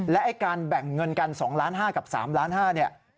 และการแบ่งเงินกัน๒๕๐๐๐๐๐กับ๓๕๐๐๐๐๐เนี่ย